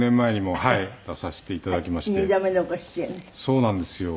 そうなんですよ。